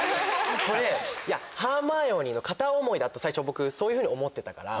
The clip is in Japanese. これハーマイオニーの片思いだと最初僕そういうふうに思ってたから。